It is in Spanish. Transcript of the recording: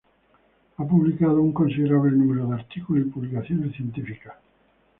Ha publicado un considerable número de artículos y publicaciones científicas.